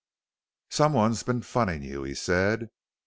"Someone's been funnin' you," he said.